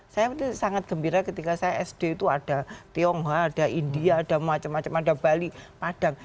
saya sangat gembira ketika saya sd itu ada tionghoa ada india ada macam macam ada bali padang